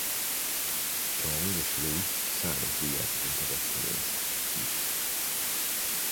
Cheung és Lau számos díjjal kitüntetett színész is.